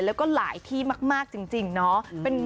แล้วก็หลายที่มากจริงเนาะ